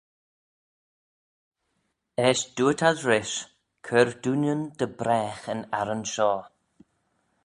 Eisht dooyrt ad rish, Cur dooinyn dy bragh yn arran shoh.